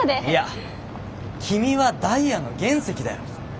いや君はダイヤの原石だよ。